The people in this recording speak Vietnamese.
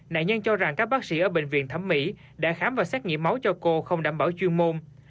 nạn nhân cho rằng các bác sĩ ở bệnh viện thẩm mỹ đã khám và xét nghiệm máu cho cô không đảm bảo chuyên môn